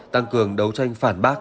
tăng cường đấu tranh phản bác